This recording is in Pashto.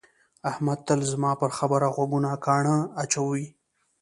احمد تل زما پر خبره غوږونه ګاڼه اچوي.